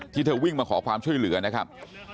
เธอวิ่งมาขอความช่วยเหลือนะครับ